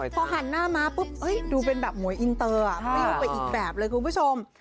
พอหันหน้าม้าปุ๊บดูเป็นแบบหมวยอินเตอร์ปริ้วไปอีกแบบเลยคุณผู้ชม